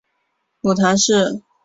母谈氏。